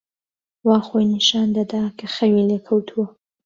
وا خۆی نیشان دەدا کە خەوی لێ کەوتووە.